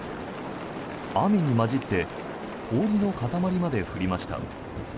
雨に交じって氷の塊まで降りました。